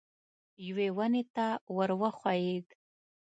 یوې ونې ته ور وښوېد.